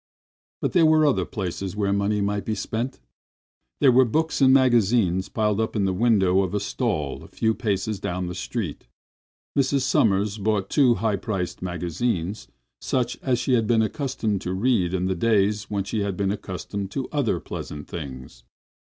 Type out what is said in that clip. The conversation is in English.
But there were other places where money might be spent. There were books and magazines piled up in the window of a stall a few paces down the street. Mrs. Sommers bought two high priced magazines such as she had been accustomed to read in the days when she had been accustomed to other pleasant things.